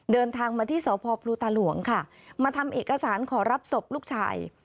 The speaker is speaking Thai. เดินทางมาที่สพพลูตาหลวงค่ะมาทำเอกสารขอรับศพลูกชาย